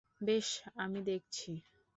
বেশ, আমি দেখছি।